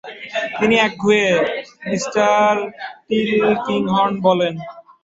তিনি একগুঁয়ে, Mr Tulkinghorn বলেন।